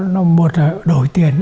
nó một là đổi tiền